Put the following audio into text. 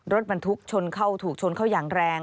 รถบรรทุกชนเข้าถูกชนเข้าอย่างแรง